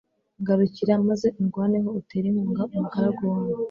ngarukira maze undwaneho, utere inkunga umugaragu wawe